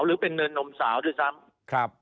หรือเป็นเนินนมสาวโดยสำ